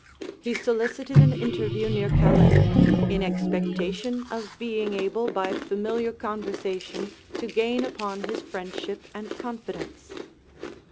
He solicited an interview near Calais; in expectation of being able by familiar conversation to gain upon his friendship and confidence.